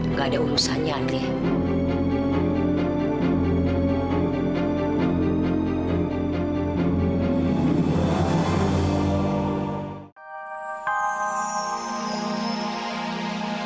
nggak ada urusannya andri